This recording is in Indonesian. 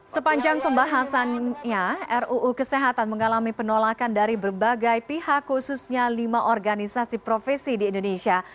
sepanjang pembahasannya ruu kesehatan mengalami penolakan dari berbagai pihak khususnya lima organisasi profesi di indonesia